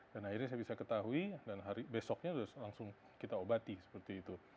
dan akhirnya saya bisa ketahui dan besoknya langsung kita obati seperti itu